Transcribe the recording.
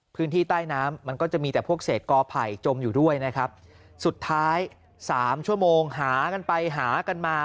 พื้นที่ใต้น้ำมันก็จะมีแต่พวกเศษกอไผ่จมอยู่ด้วยนะครับสุดท้ายสามชั่วโมงหากันไปหากันมา